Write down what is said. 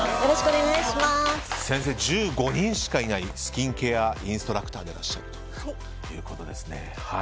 先生、１５人しかいないスキンケアインストラクターでいらっしゃるということですね。